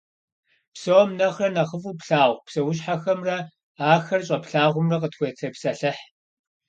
Псом нэхърэ нэхъыфӏу плъагъу псэущхьэхэмрэ ахэр щӏэплъагъумрэ къытхутепсэлъыхь.